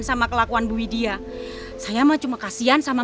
sampai jumpa di video selanjutnya